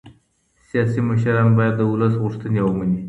سياسي مشران بايد د ولس غوښتني ومني.